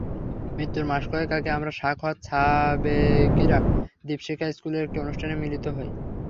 মৃত্যুর মাস কয়েক আগে আমরা সাখাওয়াত সাবেকিরা দীপশিখা স্কুলের একটি অনুষ্ঠানে মিলিত হই।